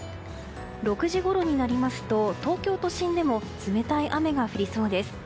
６時ごろになりますと東京都心でも冷たい雨が降りそうです。